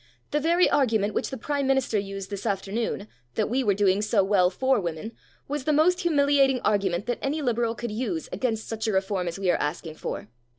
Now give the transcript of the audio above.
The very argument which the Prime Minister used this afternoon, that we were doing so well for women, was the most humiliating argument that any Liberal could use against such a reform as we are asking for.